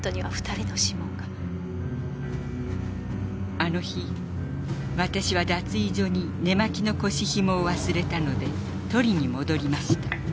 あの日私は脱衣所に寝間着の腰ひもを忘れたので取りに戻りました。